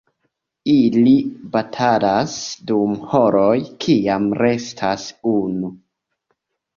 Ili batalas dum horoj, kiam restas unu.